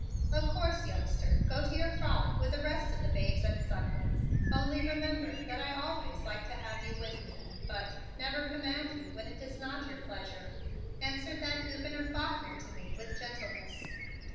"Of course, youngster, go to your frolic with the rest of the babes and sucklings, only remember that I always like to have you with me, but never command you when it is not your pleasure," answered that Gouverneur Faulkner to me with gentleness.